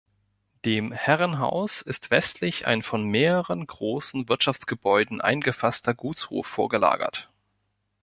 Dem Herrenhaus ist westlich ein von mehreren großen Wirtschaftsgebäuden eingefasster Gutshof vorgelagert.